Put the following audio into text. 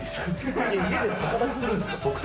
家で逆立ちするんですか？